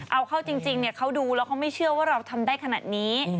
เอาเข้าจริงเขาดูแล้วเขาไม่เชื่อว่าเราทำได้ขนาดนี้